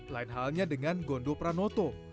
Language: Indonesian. lain halnya dengan gondo pranoto